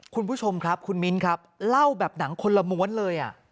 คุณผู้ชมครับคุณมิ้นครับเล่าแบบหนังคนละม้วนเลย